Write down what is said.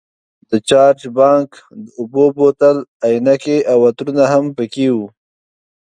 د چارج بانک، د اوبو بوتل، عینکې او عطرونه هم پکې وو.